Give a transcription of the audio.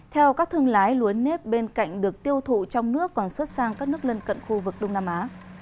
theo các thương lái lúa nếp bên cạnh được tiêu thụ trong nước còn xuất sang các nước lân cận khu vực đông nam á